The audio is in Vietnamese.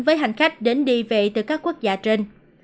với hành khách đến đi về từ các quốc gia trên